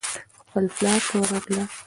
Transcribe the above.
خپل پلار ته ورغله.